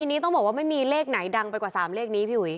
ทีนี้ต้องบอกว่าไม่มีเลขไหนดังไปกว่า๓เลขนี้พี่อุ๋ย